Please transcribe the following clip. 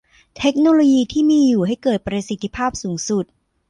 เทคโนโลยีที่มีอยู่ให้เกิดประสิทธิภาพสูงสุด